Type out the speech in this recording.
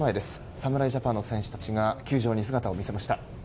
侍ジャパンの選手たちが球場に姿を見せました。